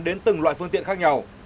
đến từng loại phương tiện khác nhau